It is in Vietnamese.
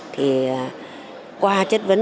thì qua chất vấn